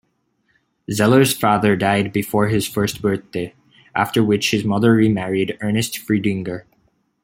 Zeller's father died before his first birthday, after which his mother remarried Ernest Friedinger.